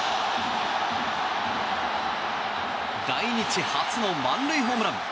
来日初の満塁ホームラン。